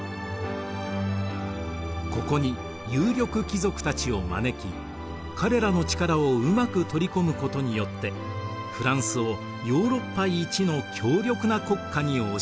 ここに有力貴族たちを招き彼らの力をうまく取り込むことによってフランスをヨーロッパいちの強力な国家に押し上げたのです。